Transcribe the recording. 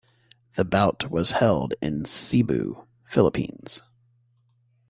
The bout was held in Cebu, Philippines.